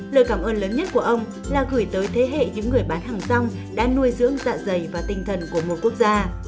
lời cảm ơn lớn nhất của ông là gửi tới thế hệ những người bán hàng rong đã nuôi dưỡng dạ dày và tinh thần của một quốc gia